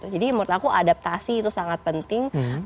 jadi menurut aku adaptasi itu sangat penting